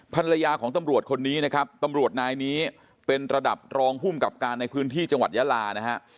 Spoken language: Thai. ภรรยาของตำรวจคนนี้นะครับตำรวจนายนี้เป็นระดับรองภูมิกับการในพื้นที่จังหวัดยาลานะฮะ